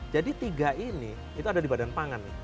jadi tiga ini itu ada di badan pangan